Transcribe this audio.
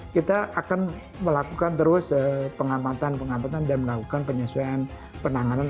kita akan melakukan terus pengamatan pengamatan dan melakukan penyesuaian penanganan